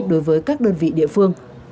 đối với các đơn vị địa phương